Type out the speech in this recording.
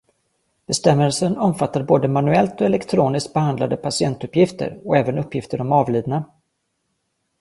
Bestämmelsen omfattar både manuellt och elektroniskt behandlade patientuppgifter, och även uppgifter om avlidna.